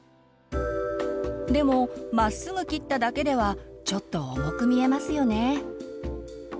でもまっすぐ切っただけではちょっと重く見えますよね。